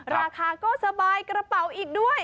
ราคาก็สบายกระเป๋าอีกด้วย